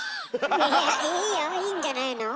いやいいよいいんじゃないの。